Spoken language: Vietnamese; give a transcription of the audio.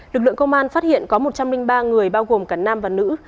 lực lượng công an phát hiện có một trăm linh ba người bao gồm cả nam và nữ